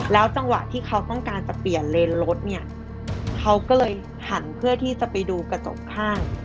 จังหวะที่เขาต้องการจะเปลี่ยนเลนรถเนี่ยเขาก็เลยหันเพื่อที่จะไปดูกระจกข้าง